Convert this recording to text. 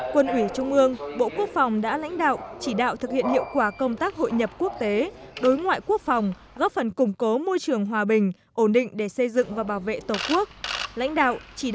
quân ủy trung ương bộ quốc phòng đã lãnh đạo chỉ đạo thực hiện hiệu quả công tác hội nhập quốc tế đối ngoại quốc phòng góp phần củng cố môi trường hòa bình ổn định để xây dựng và bảo vệ tổ quốc